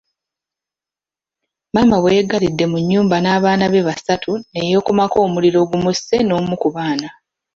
Maama bwe yeggalidde mu nnyumba n’abaana be basatu ne yeekumako omuliro ogumusse n’omu ku baana.